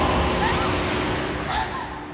あっ！